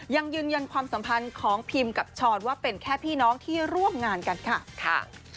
ยังยืนยันความสัมพันธ์ของพิมกับช้อนว่าเป็นแค่พี่น้องที่ร่วมงานกันค่ะ